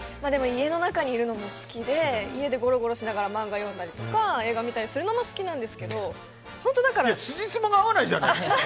家の中にいるのも好きで家でゴロゴロしながら漫画を読んだりとか映画見たりするのも好きなんですけどつじつまが合わないじゃない。